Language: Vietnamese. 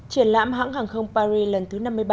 triển lãm hãng hàng không paris lần thứ năm mươi ba